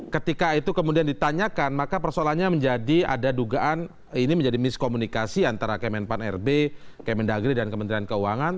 ketika itu kemudian ditanyakan maka persoalannya menjadi ada dugaan ini menjadi miskomunikasi antara kemenpan rb kemendagri dan kementerian keuangan